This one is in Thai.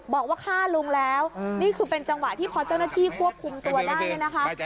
บอกว่าฆ่าลุงแล้วนี่คือเป็นจังหวะที่พอเจ้าหน้าที่ควบคุมตัวได้เนี่ยนะคะ